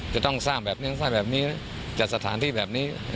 จะต้องสร้างแบบนี้สร้างแบบนี้จัดสถานที่แบบนี้